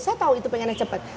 saya tahu itu pengennya cepat